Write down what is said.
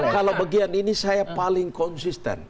kalau bagian ini saya paling konsisten